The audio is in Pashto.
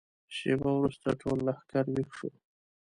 شېبه وروسته ټول لښکر ويښ شو.